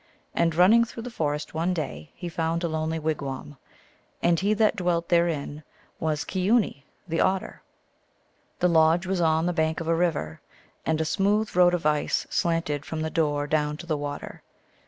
And running through the forest one day he found a lonely wigwam, and he that dwelt therein was Keeoony, the Otter. The lodge was on the bank 01 a river, and a smooth road of ice slanted from the door down to the water.